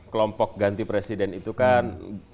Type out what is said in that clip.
kelompok ganti presiden itu kan